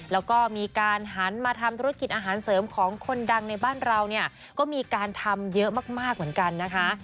แล้วก็มีการหันมาทำธุรกิจอาหารเสริมของคนดังในบ้านเราเนี่ยก็มีการทำเยอะมากเหมือนกันนะคะ